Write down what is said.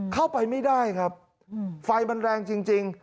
เข้าไปไม่ได้ครับไฟมันแรงจริง